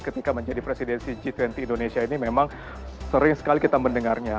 ketika menjadi presidensi g dua puluh indonesia ini memang sering sekali kita mendengarnya